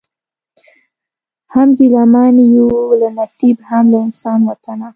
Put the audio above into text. هم ګیله من یو له نصیب هم له انسان وطنه